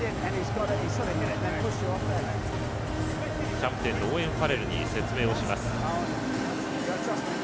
キャプテンのオーウェン・ファレルに説明をします。